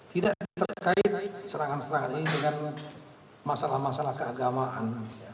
tidak terkait serangan serangan ini dengan masalah masalah keagamaan